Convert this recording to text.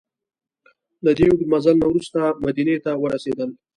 له دې اوږده مزل نه وروسته مدینې ته ورسېدل.